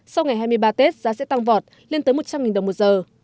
sau ngày hai mươi ba tết giá sẽ tăng vọt lên tới một trăm linh đồng một giờ